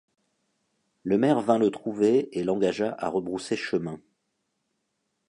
Le maire vint le trouver et l’engagea à rebrousser chemin.